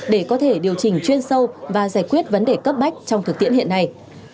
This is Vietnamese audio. để có thể điều chỉnh chuyên sâu và giải quyết vấn đề cấp bách trong thực tiễn hiện nay